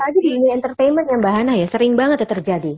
aja di dunia entertainment ya mbak hana ya sering banget ya terjadi